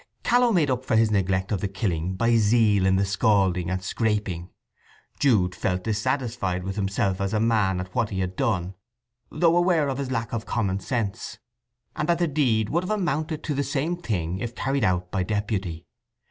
Challow made up for his neglect of the killing by zeal in the scalding and scraping. Jude felt dissatisfied with himself as a man at what he had done, though aware of his lack of common sense, and that the deed would have amounted to the same thing if carried out by deputy.